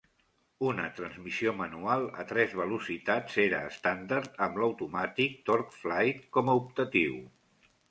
Una transmissió manual a tres velocitats era estàndard amb l'automàtic TorqueFlite com a optatiu.